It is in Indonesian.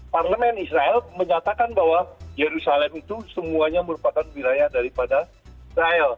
parlemen israel menyatakan bahwa yerusalem itu semuanya merupakan wilayah daripada israel